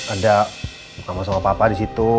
ada mama sama papa disitu